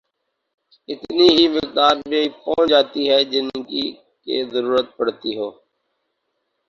اتنی ہی مقدار میں پہنچ پاتی ہے جتنی کہ ضرورت ہو